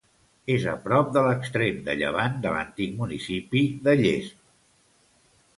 És a prop de l'extrem de llevant de l'antic municipi de Llesp.